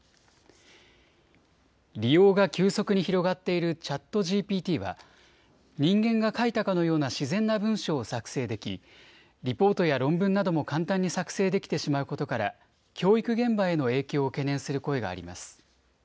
利用が急速に広がっているＣｈａｔＧＰＴは人間が書いたかのような自然な文章を作成できリポートや論文なども簡単に作成できてしまうことから教育現場への影響を懸念する声があります。